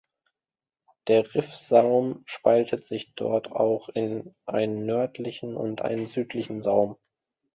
Der Riffsaum spaltet sich dort auch in einen nördlichen und einen südlichen Saum.